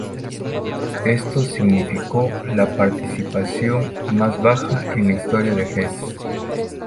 Esto significó la participación más baja en la historia de Hesse.